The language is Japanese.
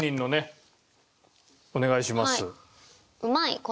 お願いします。